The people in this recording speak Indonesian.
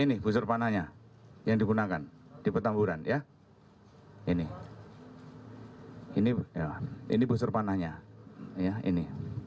ini busur panahnya yang digunakan di petamburan ya ini ini busur panahnya ya ini